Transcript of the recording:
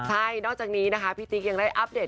ใช่นอกจากนี้นะคะพี่ติ๊กยังได้อัปเดต